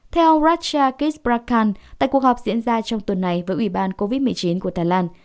theo raja kiprakhan tại cuộc họp diễn ra trong tuần này với ủy ban covid một mươi chín của thái lan